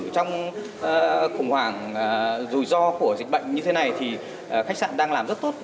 trong khủng hoảng rủi ro của dịch bệnh như thế này thì khách sạn đang làm rất tốt